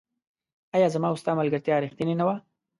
آيا زما او ستا ملګرتيا ريښتيني نه وه